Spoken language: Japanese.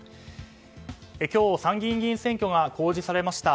今日、参議院議員選挙が公示されました。